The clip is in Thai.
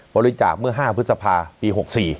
บริจาคเมื่อ๕พฤษภาปี๖๔